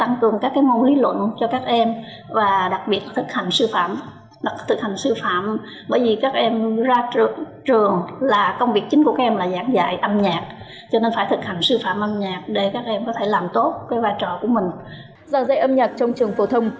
giảng dạy âm nhạc trong trường phổ thông